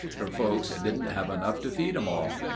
Her folks didn't have enough to feed 'em all.